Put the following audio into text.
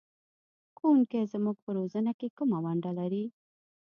ښوونکی زموږ په روزنه کې کومه ونډه لري؟